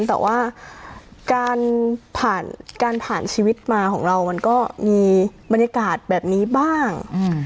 แต่ว่าการผ่านการผ่านชีวิตมาของเรามันก็มีบรรยากาศแบบนี้บ้าง